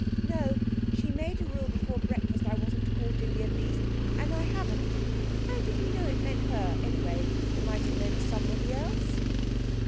'No. She made a rule before breakfast I wasn't to call Dilly a beast, and I haven't. How did you know it meant her anyway? It might have meant somebody else.'